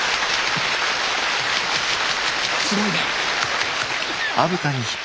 すごいね。